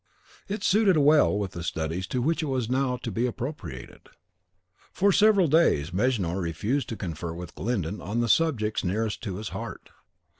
It suited well with the studies to which it was now to be appropriated. For several days Mejnour refused to confer with Glyndon on the subjects nearest to his heart.